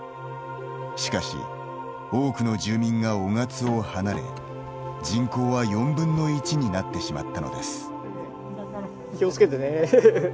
しかし、多くの住民が雄勝を離れ人口は４分の１になってしまったのです。